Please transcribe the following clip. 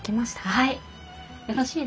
はい。